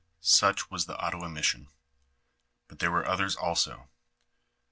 Such was the Ottawa mission ; but there were otherti also.